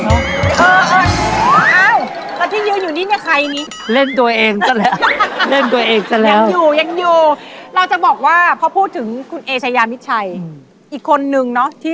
แล้วที่ยืนอยู่นี่ใครนี่